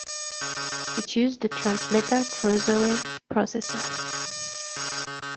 It used the Transmeta Crusoe processor.